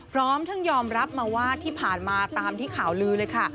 พร้อมทั้งยอมรับมาว่าที่ผ่านมาตามที่ข่าวลือเลยค่ะ